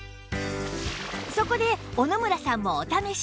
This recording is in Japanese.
そこで小野村さんもお試し